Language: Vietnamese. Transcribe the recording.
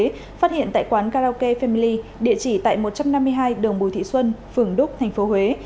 phát hiện tại quán karaoke family địa chỉ tại một trăm năm mươi hai đường bùi thị xuân phường đúc tp huế